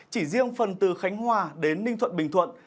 chỉ riêng phần từ khánh hòa đến ninh thuận bình thuận